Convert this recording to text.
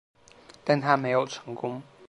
但它没有成功。